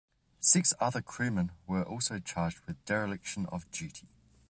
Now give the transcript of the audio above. Six other crewmen were also charged with dereliction of duty.